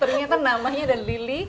ternyata namanya ada lili